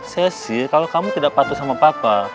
sesi kalau kamu tidak patuh sama papa